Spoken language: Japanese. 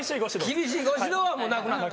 厳しいご指導はもうなくなった。